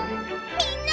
みんな！